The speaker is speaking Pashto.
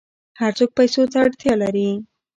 هر څوک پیسو ته اړتیا لري.